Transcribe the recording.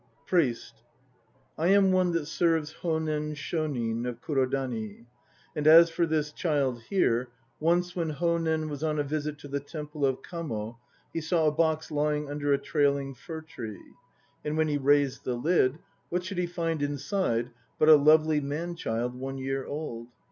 PRIEST. I am one that serves Honen Shonin of Kurodani; and as for this child here, once when Honen was on a visit to the Temple of Kamo <w a box lying under a trailing fir tree; and when he raised the lid, what should he find inside but a lovely man child one year old!